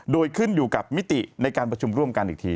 โดยขึ้นอยู่กับมิติในการประชุมร่วมกันอีกที